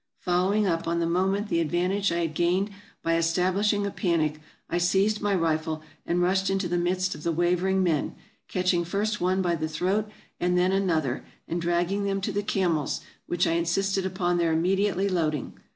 Following up on the moment the advantage I had gained by establishing a panic, I seized my rifle and rushed into the midst of the wavering men, catching first one by the throat, and then another, and dragging them to the camels, which I insisted upon their immediately loading.